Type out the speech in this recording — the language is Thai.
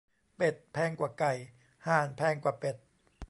เป็ดแพงกว่าไก่ ห่านแพงกว่าเป็ด